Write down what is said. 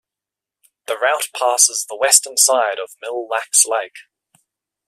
The route passes the western side of Mille Lacs Lake.